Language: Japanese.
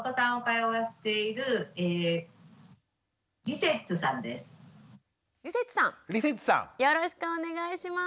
よろしくお願いします。